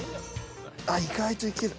あっ意外といける。